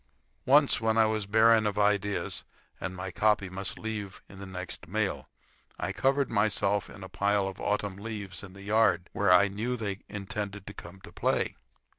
Once, when I was barren of ideas, and my copy must leave in the next mail, I covered myself in a pile of autumn leaves in the yard, where I knew they intended to come to play.